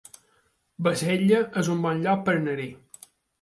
Bassella es un bon lloc per anar-hi